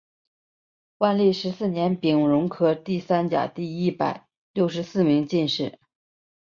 万历十四年丙戌科第三甲第一百六十四名进士。